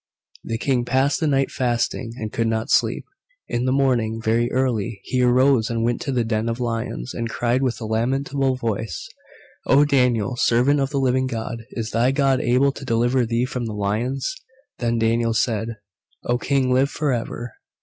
The King passed the night fasting, and could not sleep. In the morning, very early, he arose and went to the den of lions, and cried with a lamentable voice, "O Daniel, servant of the living God, is thy God able to deliver thee from the lions?" Then Daniel said, "O King, live for ever.